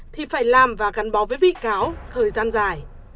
thì phải làm và gắn bó với bị cáo thời gian dài